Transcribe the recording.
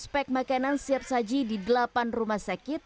dua puluh enam lima ratus pack makanan siap saji di delapan rumah sakit